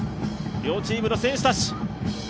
両チームの選手たち。